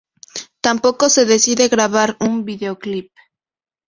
Tampoco se decide grabar un videoclip.